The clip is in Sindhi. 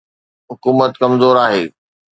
حڪومت ڪمزور آهي.